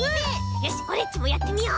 よしオレっちもやってみようっと。